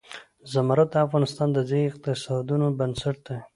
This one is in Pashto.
زمرد د افغانستان د ځایي اقتصادونو بنسټ دی.